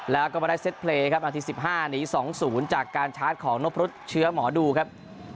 แล้วก็มาได้เซ็ตเพลย์ครับนาที๑๕หนี๒๐จากการชาร์จของนพรุษเชื้อหมอดูครับ